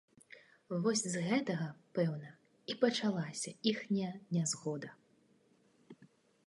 Вось з гэтага, пэўна, і пачалася іхняя нязгода.